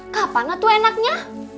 gimana tuh enaknya